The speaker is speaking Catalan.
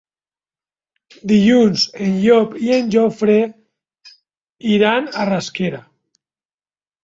Dilluns en Llop i en Jofre iran a Rasquera.